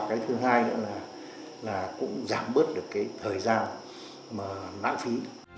cái thứ hai nữa là cũng giảm bớt được cái thời gian mà lãng phí